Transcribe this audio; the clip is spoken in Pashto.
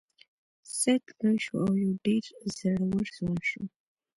سید لوی شو او یو ډیر زړور ځوان شو.